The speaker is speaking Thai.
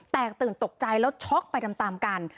ตื่นตกใจแล้วช็อกไปตามกัน